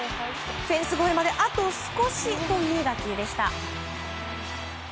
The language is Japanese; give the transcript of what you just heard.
フェンス越えまであと少しという打球でした。